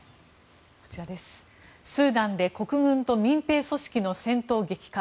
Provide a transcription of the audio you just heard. スーダンで国軍と民兵組織の戦闘激化。